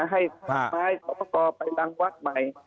ให้ประสบกรณ์ไปรังวัดใหม่